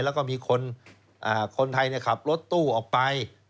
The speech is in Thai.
แล้วก็มีคนไทยขับรถตู้ออกไป